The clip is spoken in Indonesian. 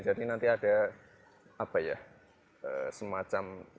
jadi nanti ada apa ya semacam